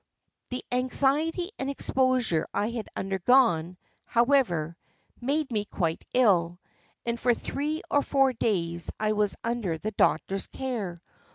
The anxiety and exposure I had undergone, however, made me quite ill, and for three or four days I was under the doctor's care.